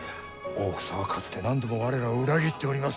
大草はかつて何度も我らを裏切っております。